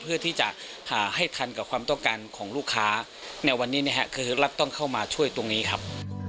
เพื่อที่จะให้ทันกับความต้องการของลูกค้าในวันนี้นะครับคือรัฐต้องเข้ามาช่วยตรงนี้ครับ